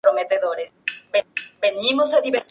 Se lo encuentra en el subcontinente indio y el sudeste de Asia.